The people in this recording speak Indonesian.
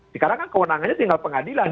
sekarang kan kewenangannya tinggal pengadilan